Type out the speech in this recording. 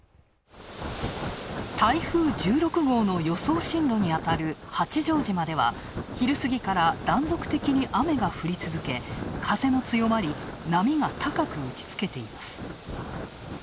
台風１６号の予想進路に当たる八丈島では昼過ぎから断続的に雨が降り続け風も強まり、波が高く打ちつけています。